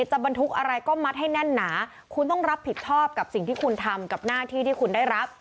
บรรทุกอะไรก็มัดให้แน่นหนาคุณต้องรับผิดชอบกับสิ่งที่คุณทำกับหน้าที่ที่คุณได้รับ